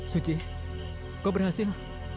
suci kau berhasil